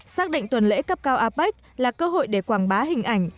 xác định tuần lễ cấp cao apec là cơ hội để quảng bá hình ảnh